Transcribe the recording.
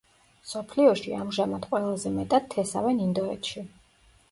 მსოფლიოში ამჟამად ყველაზე მეტად თესავენ ინდოეთში.